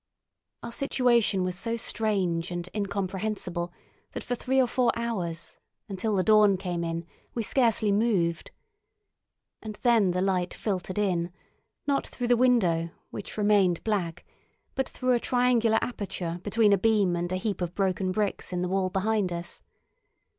Our situation was so strange and incomprehensible that for three or four hours, until the dawn came, we scarcely moved. And then the light filtered in, not through the window, which remained black, but through a triangular aperture between a beam and a heap of broken bricks in the wall behind us.